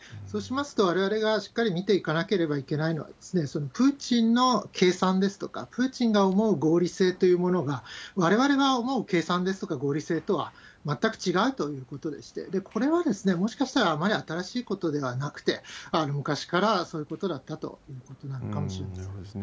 そうしますと、われわれがしっかり見ていかなきゃいけないのは、そのプーチンの計算ですとか、プーチンが思う合理性というものが、われわれが思う計算ですとか合理性とは全く違うということでして、これは、もしかしたらあまり新しいことではなくて、昔からそういうことだったということなのかもしれません。